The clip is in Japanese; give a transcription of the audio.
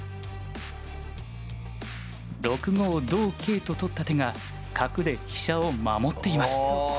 ６五同桂と取った手が角で飛車を守っています。